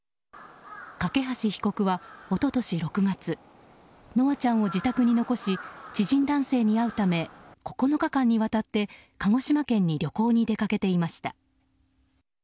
梯被告は一昨年６月稀華ちゃんを自宅に残し知人男性に会うため９日間にわたって鹿児島県に旅行に出かけていました。